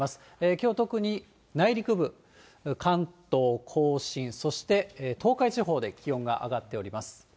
きょう特に内陸部、関東甲信、そして東海地方で気温が上がっております。